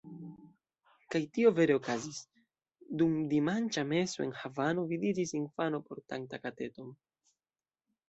Kaj tio vere okazis: dum dimanĉa meso en Havano vidiĝis infano portanta kateton.